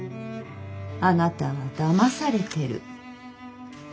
あなたはだまされてる。